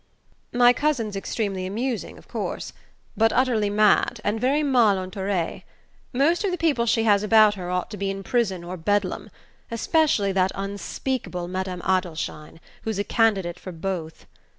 "My cousin's extremely amusing, of course, but utterly mad and very mal entourée. Most of the people she has about her ought to be in prison or Bedlam: especially that unspeakable Madame Adelschein, who's a candidate for both.